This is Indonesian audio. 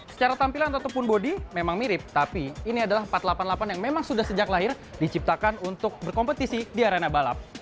secara tampilan ataupun bodi memang mirip tapi ini adalah empat ratus delapan puluh delapan yang memang sudah sejak lahir diciptakan untuk berkompetisi di arena balap